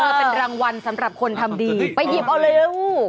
เป็นรางวัลสำหรับคนทำดีไปหยิบเอาเลยนะวู